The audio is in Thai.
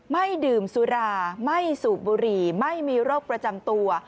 ไม่ดื่มสุราไม่สูบบุหรี่ไม่มีโรคประจำตัว